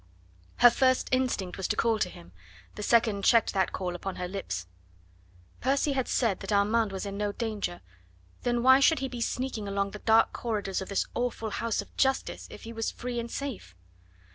Her first instinct was to call to him; the second checked that call upon her lips. Percy had said that Armand was in no danger; then why should he be sneaking along the dark corridors of this awful house of Justice if he was free and safe?